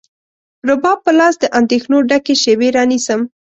رباب په لاس، د اندېښنو ډکې شیبې رانیسم